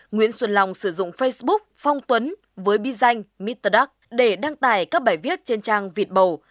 nguyễn xuân long sử dụng facebook phong tuấn với bi danh mr duck để đăng tải các bài viết trên trang việt bầu